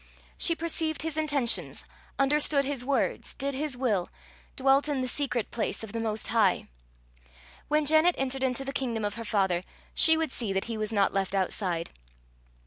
She perceived his intentions, understood his words, did his will, dwelt in the secret place of the Most High. When Janet entered into the kingdom of her Father, she would see that he was not left outside.